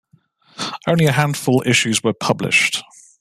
Only a handful issues were published.